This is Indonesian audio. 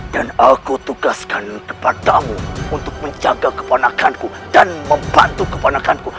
dan aku tugaskan kepada mu untuk menjaga keponakan ku dan membantu keponakan ku